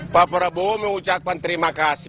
pak prabowo mengucapkan terima kasih